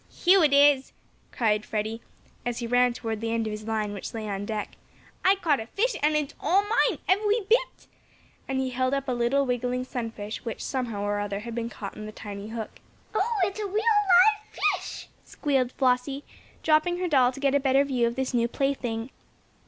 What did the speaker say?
"Here it is!" cried Freddie, as he ran toward the end of his line which lay on deck. "I caught a fish, and it's all mine every bit," and he held up a little, wiggling sunfish which, somehow or other, had been caught on the tiny hook. "Oh, it's a real, live fish!" squealed Flossie, dropping her doll to get a better view of this new plaything.